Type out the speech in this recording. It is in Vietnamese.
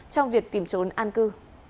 trong việc tìm trốn an cư